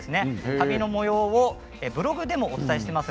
旅のもようをブログでもお伝えしています。